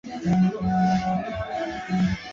baadhi ya miundo inabana matumizi kwenye redio